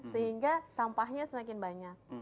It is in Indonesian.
sehingga sampahnya semakin banyak